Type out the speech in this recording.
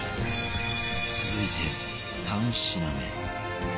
続いて３品目